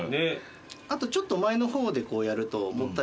あとちょっと前の方でこうやるともったいぶらすと。